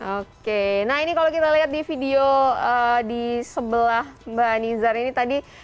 oke nah ini kalau kita lihat di video di sebelah mbak nizar ini tadi